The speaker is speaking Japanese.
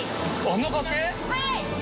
⁉はい。